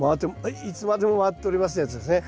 「いつまでも回っております」のやつですね。